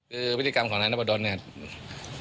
คือพฤติกรรมของนายน้ำประดนเนี่ย